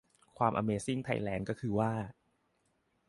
ความอเมซิ่งไทยแลนด์ก็คือว่า